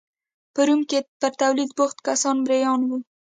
په روم کې پر تولید بوخت کسان مریان وو